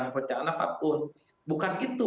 pepercayaan apapun bukan itu